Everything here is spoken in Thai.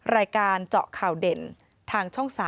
รายการเจาะข่าวเด่นทางช่อง๓